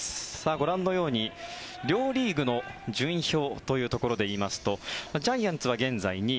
ご覧のように両リーグの順位表というところでいいますとジャイアンツは現在２位。